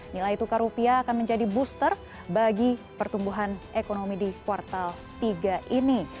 nilai tukar rupiah akan menjadi booster bagi pertumbuhan ekonomi di kuartal tiga ini